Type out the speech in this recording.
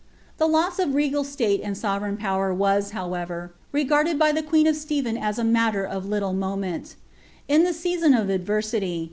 The los« of regal siste and sovereign power was, howe< ncBfded by the queen of Stephen as a matter of little the •ewHMi of adveraily.